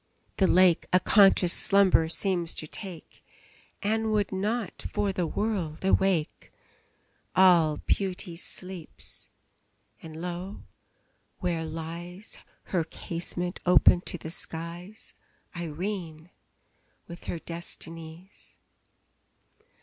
the lake A conscious slumber seems to take, And would not, for the world, awake. All Beauty sleeps! and lo! where lies (Her casement open to the skies) Irene, with her Destinies!